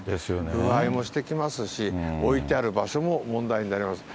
腐敗もしてきますし、置いてある場所も問題になります。